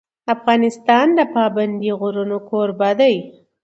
افغانستان د پابندی غرونه کوربه دی.